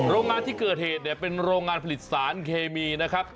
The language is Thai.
โรงงานที่เกิดเหตุเนี่ยเป็นโรงงานผลิตสารเคมีนะครับ